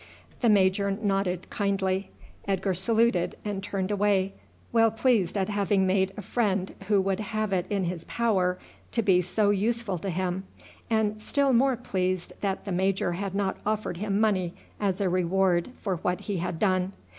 The major nodded kindly. Edgar saluted and turned away, well pleased at having made a friend who would have it in his power to be so useful to him, and still more pleased that the major had not offered him money as a reward for what he had done.